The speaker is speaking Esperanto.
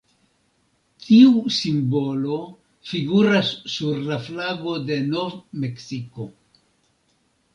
Tiu simbolo figuras sur la flago de Nov-Meksiko.